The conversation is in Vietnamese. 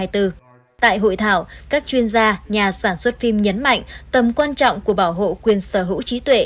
tại hội thảo các chuyên gia nhà sản xuất phim nhấn mạnh tầm quan trọng của bảo hộ quyền sở hữu trí tuệ